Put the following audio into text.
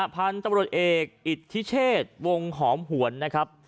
พันธุ์ตำรวจเอกอิทธิเชษวงหอมหวนนะครับ